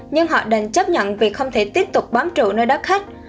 nhưng họ đành chấp nhận vì không thể tiếp tục bám trụ nơi đắt khách